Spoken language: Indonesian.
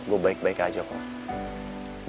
gue baik baik aja kok